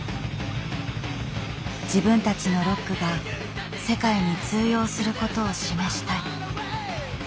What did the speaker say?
自分たちのロックが世界に通用することを示したい。